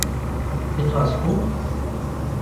Petra az po ?